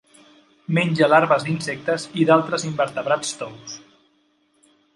Menja larves d'insectes i d'altres invertebrats tous.